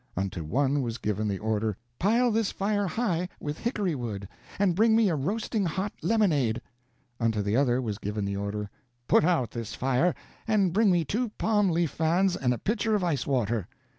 Unto one was given the order, "Pile this fire high, with hickory wood, and bring me a roasting hot lemonade." Unto the other was given the order, "Put out this fire, and bring me two palm leaf fans and a pitcher of ice water."